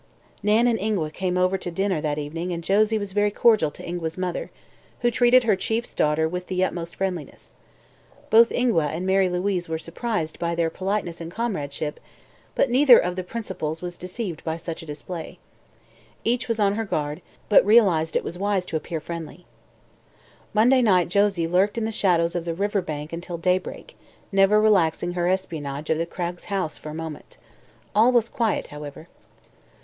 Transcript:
Nan and Ingua came over to dinner that evening and Josie was very cordial to Ingua's mother, who treated her chief's daughter with the utmost friendliness. Both Ingua and Mary Louise were surprised by their politeness and comradeship, but neither of the principals was deceived by such a display. Each was on her guard, but realized it was wise to appear friendly. Monday night Josie lurked in the shadows of the river bank until daybreak, never relaxing her espionage of the Cragg house for a moment. All was quiet, however.